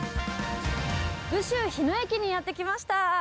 武州日野駅にやって来ました。